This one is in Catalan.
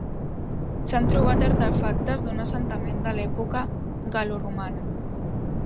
S'han trobat artefactes d'un assentament de l'època gal·loromana.